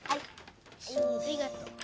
ありがとう。